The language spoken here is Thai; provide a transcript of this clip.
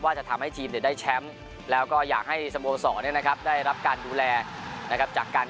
ว่าจะทำให้ทีมจะได้แชมป์แล้วก็อยากให้สมโวศรได้รับการดูแลจากกัน